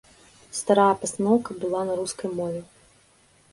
Старая пастаноўка была на рускай мове.